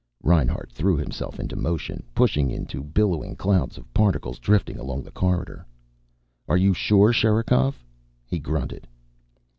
Reinhart threw himself into motion, pushing into billowing clouds of particles drifting along the corridor. "Are you sure, Sherikov?" he grunted.